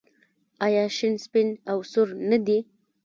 آیا شین سپین او سور نه دي؟